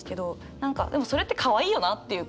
何かでもそれってかわいいよなっていうか。